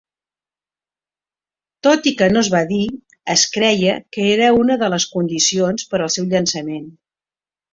Tot i que no es va dir, es creia que era una de les condicions per al seu llançament.